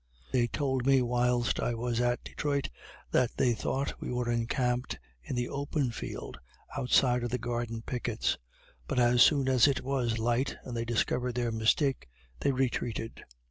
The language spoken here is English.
They told me whilst I was at Detroit, that they thought we were encamped in the open field outside of the garden pickets; but as soon as it was light, and they discovered their mistake, they retreated.